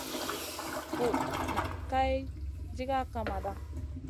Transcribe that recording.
Ku nʼa Kay diga kamada.